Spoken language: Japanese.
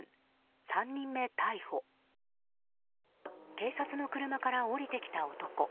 警察の車から降りてきた男。